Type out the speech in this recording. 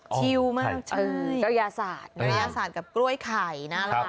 ชิวมากใช่เก้ายาศาสตร์กับกล้วยไข่น่ารัก